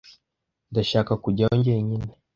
Ndashaka kujyayo jyenyine.